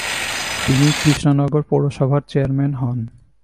তিনি কৃষ্ণনগর পৌরসভার চেয়ারম্যান হন।